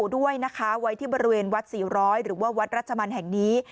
ด้วยนะคะไว้ที่บริเวณวัด๔๐๐หรือว่าวัดรัชมันแห่งนี้